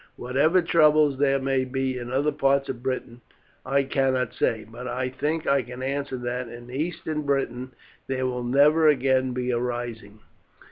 Whatever troubles there may be in other parts of Britain I cannot say, but I think I can answer that in Eastern Britain there will never again be a rising."